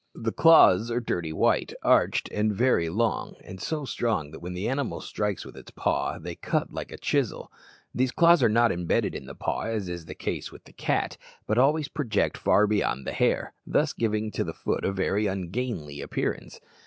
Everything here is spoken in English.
The claws are dirty white, arched, and very long, and so strong that when the animal strikes with its paw they cut like a chisel. These claws are not embedded in the paw, as is the case with the cat, but always project far beyond the hair, thus giving to the foot a very ungainly appearance.